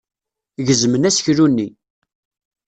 Gezmen aseklu-nni.